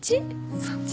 そっち？